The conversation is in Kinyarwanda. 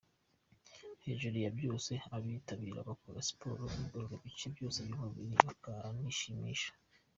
Hejuru ya byose abitabira bakora siporo igorora ibice byose by’umubiri bakanishimisha.